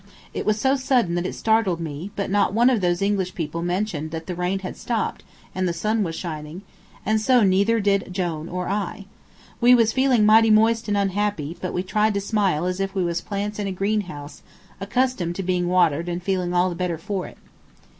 It was so sudden that it startled me; but not one of those English people mentioned that the rain had stopped and the sun was shining, and so neither did Jone or I. We was feeling mighty moist and unhappy, but we tried to smile as if we was plants in a greenhouse, accustomed to being watered and feeling all the better for it.